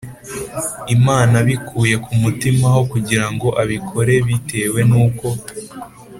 Imana abikuye ku mutima aho kugira ngo abikore bitewe n uko